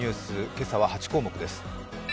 今朝は８項目です。